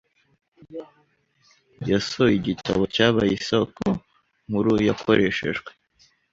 yasohoye igitabo cyabaye isoko nkuru yakoreshejwe